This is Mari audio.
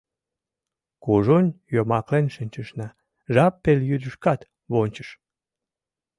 Кужун йомаклен шинчышна, жап пелйӱдышкат вончыш.